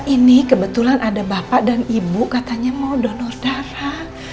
ini kebetulan ada bapak dan ibu katanya mau donor darah